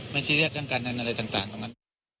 ไม่ซีเรียสตรงการอะไรต่างตรงนั้น